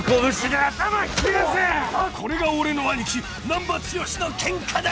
これが俺のアニキ難破剛のケンカだ！